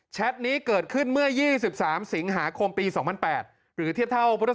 แชทนี้เกิดขึ้นเมื่อ๒๓สิงหาคมปี๒๐๐๘